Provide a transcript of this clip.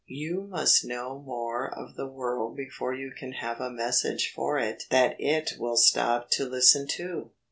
You must know more of the world before you can have a message for it that it will stop to listen to.